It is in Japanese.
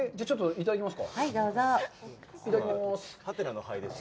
いただきます。